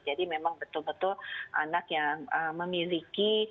jadi memang betul betul anak yang memiliki